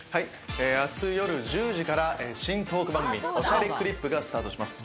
明日夜１０時から新トーク番組『おしゃれクリップ』がスタートします。